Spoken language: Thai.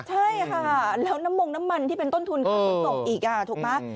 ใช่ค่ะแล้วน้ำมงด์น้ำมันที่เป็นต้นทุนขนส่งอีก